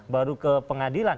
baru ke pengadilan